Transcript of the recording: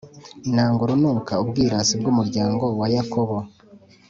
Nanga urunuka ubwirasi bw’umuryango wa Yakobo,